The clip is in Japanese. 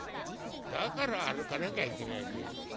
だから歩かなきゃいけないってえんだよ。